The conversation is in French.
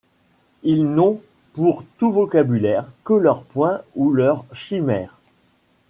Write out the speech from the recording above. Ils n'ont pour tout vocabulaire que leurs poings ou leurs chimères.